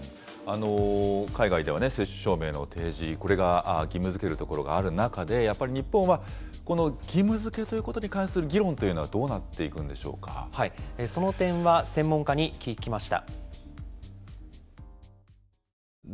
海外では接種証明の提示、これが義務付ける所がある中で、やっぱり日本はこの義務づけということに関する議論というのはどその点は専門家に聞きました。